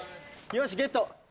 よしっ！ゲット！